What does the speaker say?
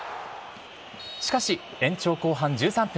しかし、延長後半１３分。